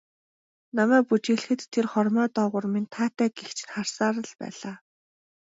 Намайг бүжиглэхэд тэр хормой доогуур минь таатай гэгч нь харсаар л байлаа.